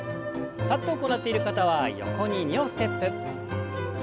立って行っている方は横に２歩ステップ。